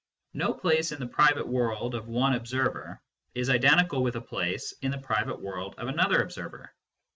No place in the private world of one observer is identical with a place in the private world of another observer.